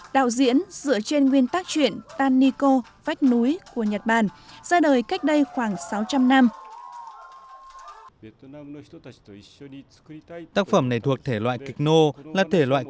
đạo diễn dựa trên nguyên tác truyện taniko vách núi của nhật bản ra đời cách đây khoảng sáu trăm linh năm